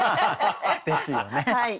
ですよね。